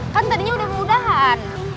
kan tadinya udah mudahan